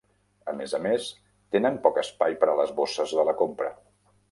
A més a més, tenen poc espai per a les bosses de la compra.